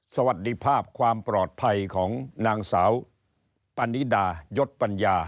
สวัสดีภาพความปลอดภัยของนางสาวปานิดายศปัญญา